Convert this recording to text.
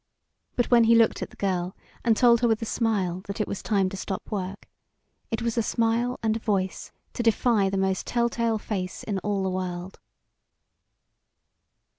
But when he looked at the girl and told her with a smile that it was time to stop work, it was a smile and a voice to defy the most tell tale face in all the world.